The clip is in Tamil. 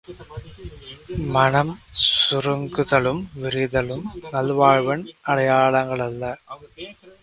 மனம் சுருங்குதலும் விரிதலும் நல்வாழ்வின் அடையாளங்களல்ல!